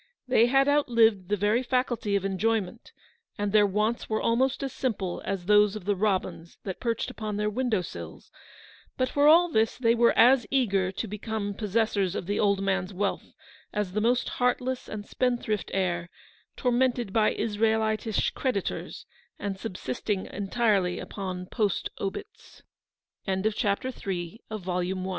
. They had outlived the very faculty of enjoyment, and their watns were almost as simple as those of the robins that perched upon their window sills; but for all this they were as eager to become possessors of the old man's wealth as the most heartless and spendthrift heir, tormented by Israelitish creditors, and subsisting en